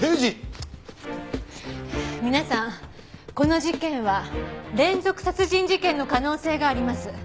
皆さんこの事件は連続殺人事件の可能性があります。